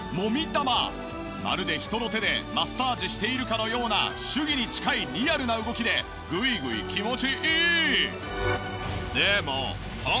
まるで人の手でマッサージしているかのような手技に近いリアルな動きでグイグイ気持ちいい！